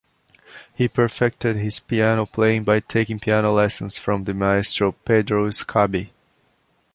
He perfected his piano playing by taking piano lessons from the maestro Pedro Escabi.